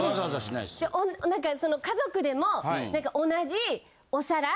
なんか家族でも同じお皿